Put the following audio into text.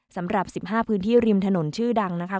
สำหรับ๑๕พื้นที่ริมถนนชื่อดังนะคะ